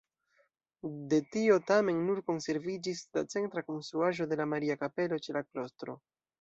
De tio tamen nur konserviĝis la centra konstruaĵo de la Maria-Kapelo ĉe la klostro.